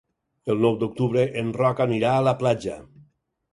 El nou d'octubre en Roc anirà a la platja.